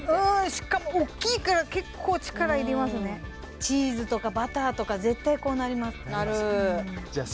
しかもおっきいから結構力いりますねチーズとかバターとか絶対こうなりますじゃあ